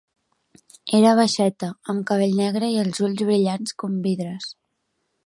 Era baixeta, amb cabell negre i els ulls brillants com vidres.